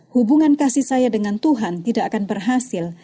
hubungan kasih saya dengan tuhan tidak akan berhasil